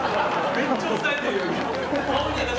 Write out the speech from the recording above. めっちゃおさえてるよ。